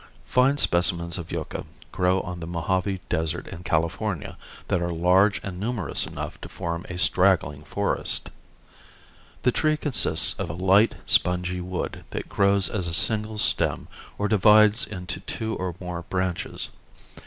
Fine specimens of yucca grow on the Mojave desert in California that are large and numerous enough to form a straggling forest. The tree consists of a light, spongy wood that grows as a single stem or divides into two or more branches.